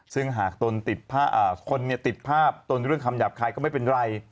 ซึ่งหากตนคนติดภาพตนเรื่องคำหยาบคายก็ไม่เป็นไร